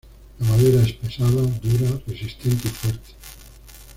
La madera es pesada, dura, resistente y fuerte.